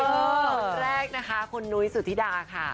คนแรกนะคะคุณนุ้ยสุธิดาค่ะ